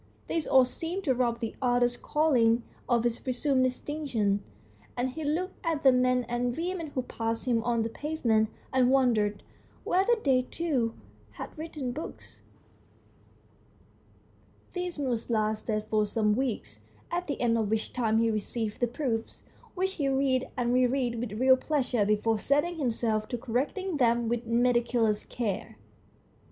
This all seemed to rob the author's calling of its presumed distinction, and he looked at the men and women who passed him on the pavement, and wondered whether they too had written books. This mood lasted for some weeks, at the end of which time he received the proofs, which he read and re read with real pleasure before setting himself to correcting them with meticulous care.